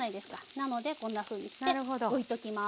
なのでこんなふうにして置いときます。